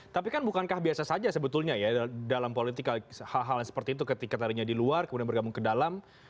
tapi kan bukankah biasa saja sebetulnya ya dalam politik hal hal yang seperti itu ketika tadinya di luar kemudian bergabung ke dalam